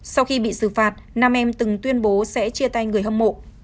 sau khi bị xử phạt nam em từng tuyên bố sẽ chia tay người hâm mộ